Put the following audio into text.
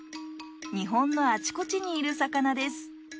日本のあちこちにいる魚です。